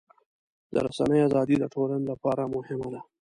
د رسنیو ازادي د ټولنې لپاره مهمه ده.